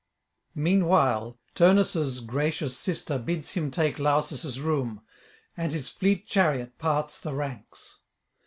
Meanwhile Turnus' gracious sister bids him take Lausus' room, and his fleet chariot parts the ranks.